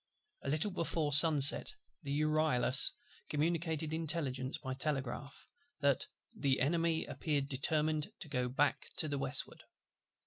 A little before sunset the Euryalus communicated intelligence by telegraph, that "the Enemy appeared determined to go to the westward."